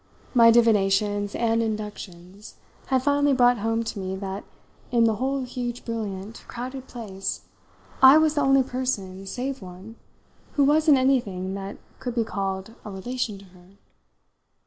My divinations and inductions had finally brought home to me that in the whole huge, brilliant, crowded place I was the only person save one who was in anything that could be called a relation to her.